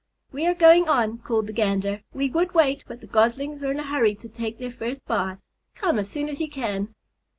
"We are going on," called the Gander; "we would wait, but the Goslings are in a hurry to take their first bath. Come as soon as you can."